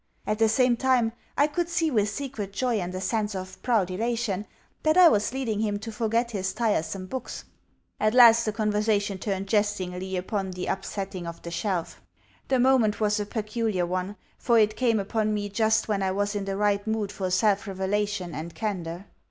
At the same time, I could see with secret joy and a sense of proud elation that I was leading him to forget his tiresome books. At last the conversation turned jestingly upon the upsetting of the shelf. The moment was a peculiar one, for it came upon me just when I was in the right mood for self revelation and candour.